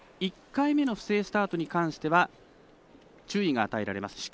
１回目の不正スタートに関しては注意が与えられます。